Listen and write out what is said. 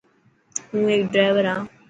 هون هيڪ ڊرائور هان.